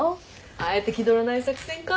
あえて気取らない作戦か。